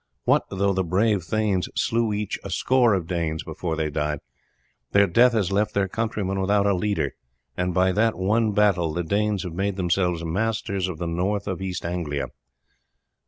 What though the brave thanes slew each a score of Danes before they died, their death has left their countrymen without a leader, and by that one battle the Danes have made themselves masters of the north of East Anglia.